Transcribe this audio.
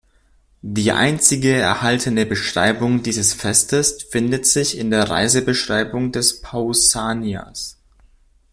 Die einzige erhaltene Beschreibung dieses Festes findet sich in der Reisebeschreibung des Pausanias.